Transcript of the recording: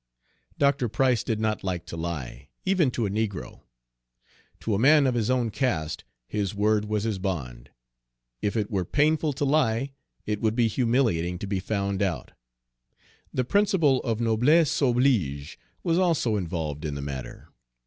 Dr. Price did not like to lie, even to a negro. To a man of his own caste, his word was his bond. If it were painful to lie, it would be humiliating to be found out. The principle of noblesse oblige was also involved in the matter.